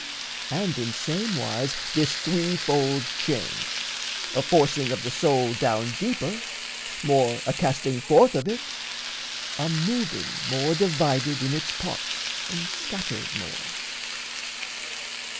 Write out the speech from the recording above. And in same wise, This three fold change: a forcing of the soul Down deeper, more a casting forth of it, A moving more divided in its parts And scattered more.